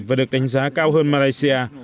và được đánh giá cao hơn malaysia